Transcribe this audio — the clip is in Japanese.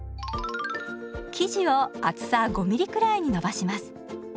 生地を厚さ５ミリくらいに伸ばします。